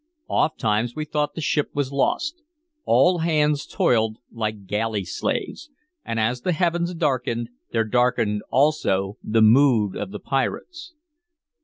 Ofttimes we thought the ship was lost. All hands toiled like galley slaves; and as the heavens darkened, there darkened also the mood of the pirates.